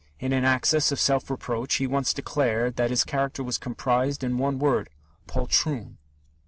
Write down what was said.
In an access of self reproach he once declared that his character was comprised in one word 'poltroon!'"